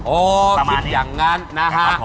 คิดอย่างนั้นนะฮะ